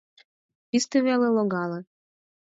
Писте веле логале.